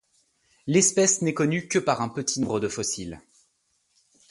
L'espèce n'est connue que par un petit nombre de fossiles.